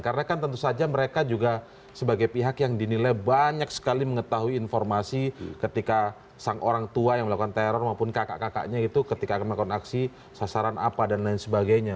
karena kan tentu saja mereka juga sebagai pihak yang dinilai banyak sekali mengetahui informasi ketika orang tua yang melakukan teror maupun kakak kakaknya itu ketika melakukan aksi sasaran apa dan lain sebagainya